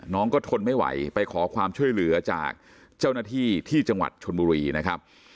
น้องก็ทนไม่ไหวไปขอความช่วยเหลือจากเจ้าหน้าที่ที่จังหวัดชนบุรีนะครับ